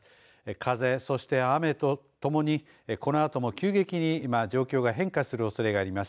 風、そして雨ともにこのあとも急激に状況が変化するおそれがあります。